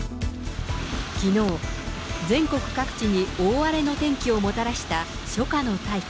きのう、全国各地に大荒れの天気をもたらした初夏の大気。